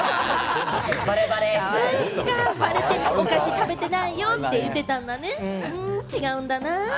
バレて、お菓子食べていないよ！って言ってたんだね、違うよ。